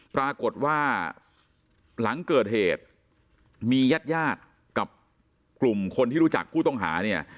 ปรากฏว่าหลังเกิดเหตุมีญาติญาติกับกลุ่มคนที่รู้จักผู้ต้องหาเนี่ย